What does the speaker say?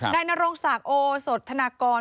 ในนโรงศาสตร์โอสถานกรณ์